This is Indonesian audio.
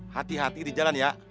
hati hati di jalan ya